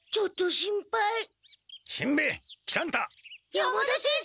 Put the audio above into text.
山田先生！